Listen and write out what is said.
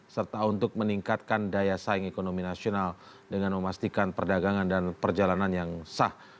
serta untuk meningkatkan daya saing ekonomi nasional dengan memastikan perdagangan dan perjalanan yang sah